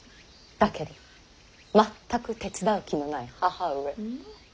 だけど全く手伝う気のない義母上。